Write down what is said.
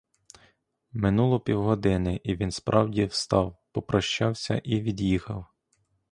Минуло півгодини, і він справді встав, попрощався і від'їхав.